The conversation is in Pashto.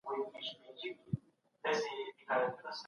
احمد شاه ابدالي څنګه د ګاونډیو هېوادونو سره اړیکې جوړولې؟